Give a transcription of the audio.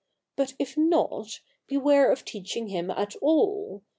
But if not, beware of teaching him at all.